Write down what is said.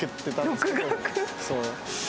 そう。